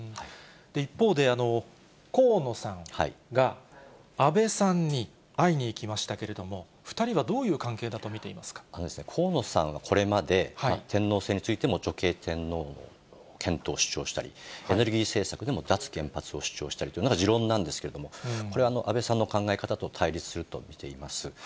一方で、河野さんが安倍さんに会いに行きましたけれども、２人はどういう河野さんはこれまで、天皇制についても女系天皇検討を主張したり、エネルギー政策も脱原発を主張したり、持論なんですけど、これは安倍さんの考え方と対立すると見ています。